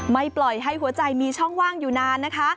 ปล่อยให้หัวใจมีช่องว่างอยู่นานนะคะ